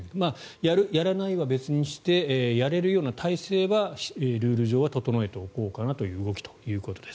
やる、やらないは別にしてやれるような体制はルール上は整えておこうかなという動きということです。